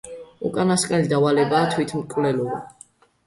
უკანასკნელი დავალებაა თვითმკვლელობა.